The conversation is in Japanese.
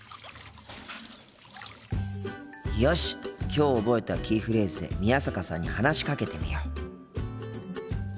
きょう覚えたキーフレーズで宮坂さんに話しかけてみよう。